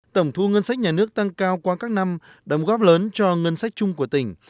tổng thu ngân sách nhà nước tăng cao qua các năm đóng góp lớn cho ngân sách chung của tỉnh